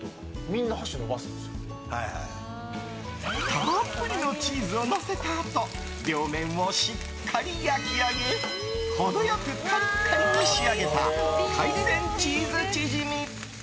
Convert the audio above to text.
たっぷりのチーズをのせたあと両面をしっかり焼き上げ程良くカリカリに仕上げた海鮮チーズチヂミ。